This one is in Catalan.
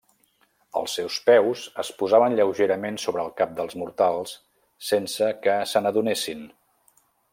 Els seus peus es posaven lleugerament sobre el cap dels mortals sense que se n'adonessin.